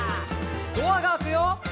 「ドアが開くよ」